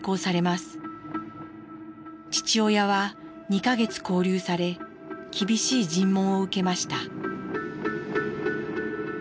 父親は２か月勾留され厳しい尋問を受けました。